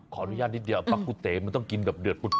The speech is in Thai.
ขออนุญาตนิดเดียวมันต้องกินแบบเดือดปุด